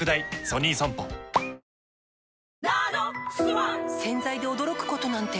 わかるぞ洗剤で驚くことなんて